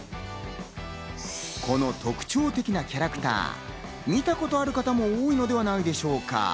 この特徴的なキャラクター、見たことある方も多いのではないでしょうか。